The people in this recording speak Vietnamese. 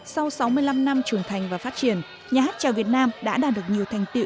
sau sáu mươi năm năm trưởng thành và phát triển nhà hát trèo việt nam đã đạt được nhiều thành tiệu